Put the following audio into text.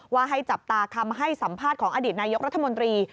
ว่าให้จับตาคำให้สัมภาษณ์ของอดีตนายกรัฐมนตรี